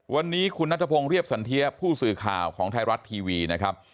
วันนี้คุณนัทพงศ์เรียบสันเทียผู้สื่อข่าวของไทยรัฐทีวีนะครับ